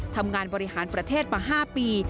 ทำงานบริหารประเทศมา๕ปี